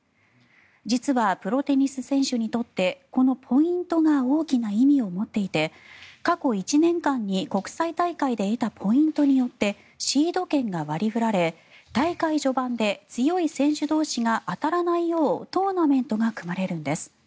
実はプロテニス選手にとってこのポイントが大きな意味を持っていて過去１年間に国際大会で得たポイントによってシード権が割り振られ大会序盤で強い選手同士が当たらないようトーナメントが組まれるんです。